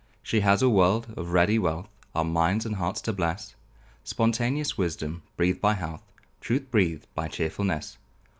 She has a world of ready wealth, Our minds and hearts to bless Spontaneous wisdom breathed by health, Truth breathed by chearfulness.